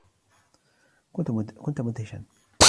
كنت مدهشا.